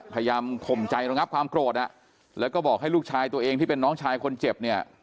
ข่มใจระงับความโกรธอ่ะแล้วก็บอกให้ลูกชายตัวเองที่เป็นน้องชายคนเจ็บเนี่ย